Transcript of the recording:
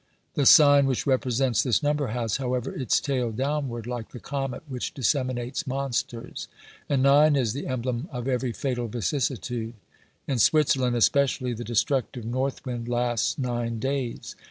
The sign which represents this number has, however, its tail downward, like the comet which disseminates monsters, and nine is the emblem of every fatal vicissi tude; in Switzerland especially the destructive north wind lasts nine days.